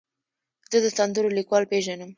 زه د سندرو لیکوال پیژنم.